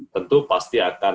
tentu pasti akan